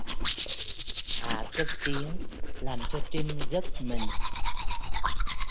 Hạ cất tiếng làm cho Trinh giất mình